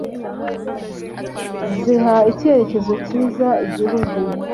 ziha icyerekezo cyiza igihugu